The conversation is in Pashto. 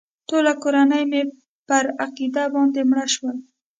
ټوله کورنۍ مې پر عقیده باندې مړه شول.